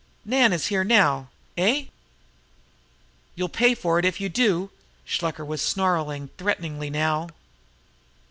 Nan is here now....Eh?....You'll pay for it if you do!" Shluker was snarling threateningly now.